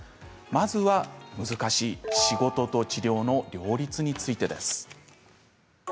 まずは難しい仕事と治療の両立についてです。